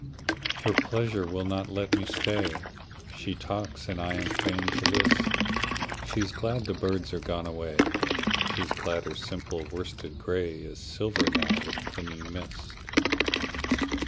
Her pleasure will not let me stay. She talks and I am fain to list:She's glad the birds are gone away, She's glad her simple worsted grayIs silver now with clinging mist.